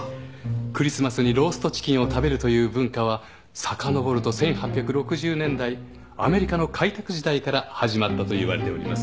クリスマスにローストチキンを食べるという文化はさかのぼると１８６０年代アメリカの開拓時代から始まったといわれております。